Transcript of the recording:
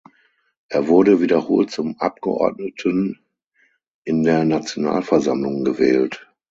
Er wurde wiederholt zum Abgeordneten in der Nationalversammlung gewählt.